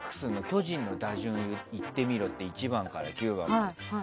巨人の打順言ってみろって１番から９番まで。